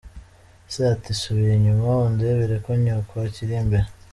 Se, ati “Subira inyuma undebere ko nyoko akiri imbere”.